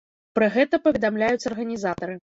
Пра гэта паведамляюць арганізатары.